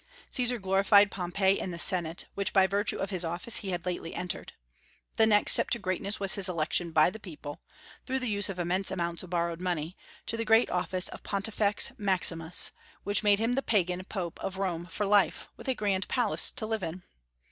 Caesar glorified Pompey in the Senate, which by virtue of his office he had lately entered. The next step to greatness was his election by the people through the use of immense amounts of borrowed money to the great office of Pontifex Maximus, which made him the pagan Pope of Rome for life, with a grand palace to live in.